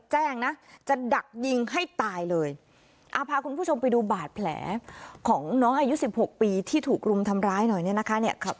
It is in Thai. แจ้งนะจะดักยิงให้ตายเลยอ่าพาคุณผู้ชมไปดูบาดแผลของน้องอายุสิบหกปีที่ถูกรุมทำร้ายหน่อยเนี่ยนะคะเนี่ย